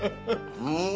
うん！